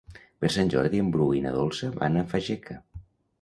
Per Sant Jordi en Bru i na Dolça van a Fageca.